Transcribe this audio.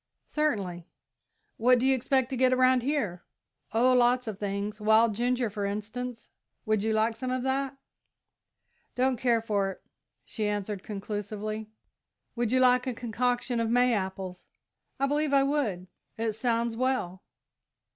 "Certainly." "What do you expect to get around here?" "Oh, lots of things. Wild ginger, for instance would you like some of that?" "Don't care for it," she answered conclusively. "Would you like a concoction of May apples?" "I believe I would it sounds well."